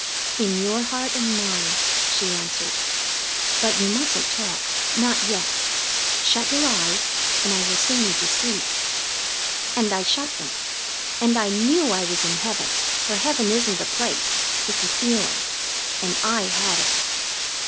"In your heart and mine," she answered. "But you mustn't talk, not yet. Shut your eyes, and I will sing you to sleep." And I shut them. And I knew I was in heaven, for heaven isn't a place; it's a feeling, and I had it.